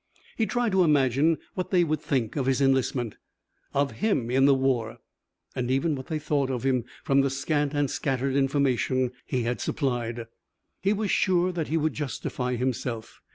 He tried to imagine what they would think of his enlistment, of him in the war; and even what they thought of him from the scant and scattered information he had supplied. He was sure that he would justify himself.